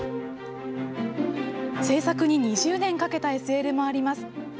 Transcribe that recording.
製作に２０年かけたＳＬもあります。